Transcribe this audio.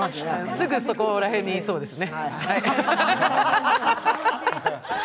すぐそこら辺にいそうですね。